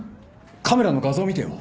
カメラの画像を見てよ。